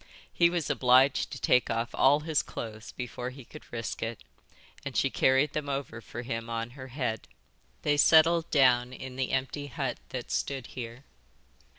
He was obliged to take off all his clothes before he could risk it, and she carried them over for him on her head. They settled down in the empty hut that stood here.